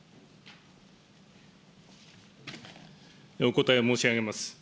お答えを申し上げます。